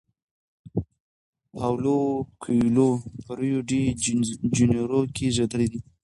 پاولو کویلیو په ریو ډی جنیرو کې زیږیدلی دی.